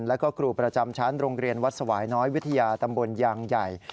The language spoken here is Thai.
แล้วก็ครูประจำชั้นโรงเรียนวัดสวายน้อยวิทยาตำบลยางใหญ่